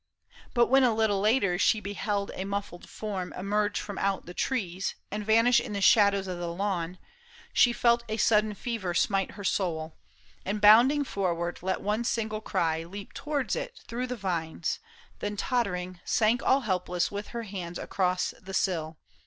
But when a little later she beheld A muffled form emerge from out the trees And vanish in the shadows of the lawn, She felt a sudden fever smite her soul. And bounding forward, let one single cry Leap towards it through the vines, then tottering, sank All helpless with her hands across the sill.